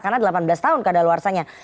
karena delapan belas tahun keadaan luarsanya